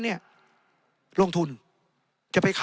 ในทางปฏิบัติมันไม่ได้